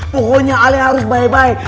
pokoknya ale harus baik baik